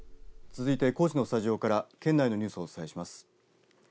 続いて、高知のスタジオから県内のニュースをお伝えします。